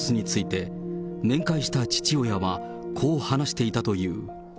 逮捕された部員の様子について、面会した父親は、こう話していたという。